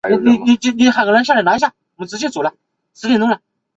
刘季平人。